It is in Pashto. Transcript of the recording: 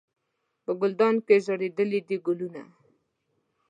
په ګلدان کې رژېدلي دي ګلونه